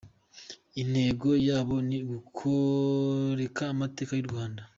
Intego yabo ni ukugoreka amateka y’u Rwanda.